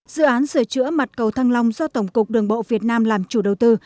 dự án sửa chữa mặt cầu thăng long do tổng cục đường bộ việt nam làm chủ đầu tư